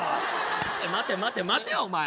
待て待て待てお前。